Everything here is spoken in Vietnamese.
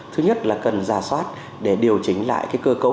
thứ nhất là cần giả soát để điều chỉnh lại cơ cấu